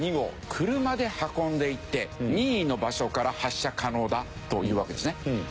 車で運んでいって任意の場所から発射可能だというわけですね。